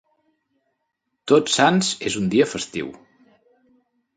Tots Sants és un dia festiu.